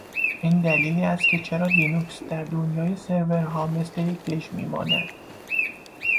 این دلیلی است که چرا لینوکس در دنیای سرورها مثل یک دژ میماند.